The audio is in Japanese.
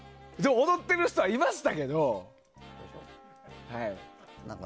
踊っている人はいましたけど。